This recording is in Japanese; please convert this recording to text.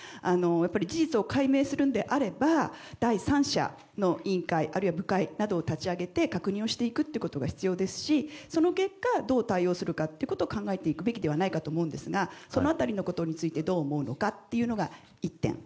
事実を解明するのであれば第三者の委員会あるいは部会などを立ち上げて確認をしていくことが必要ですしその結果、どう対応するかを考えていくべきではないかと思うんですがその辺りのことについてどう思うのかが１点。